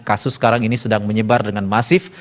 kasus sekarang ini sedang menyebar dengan masif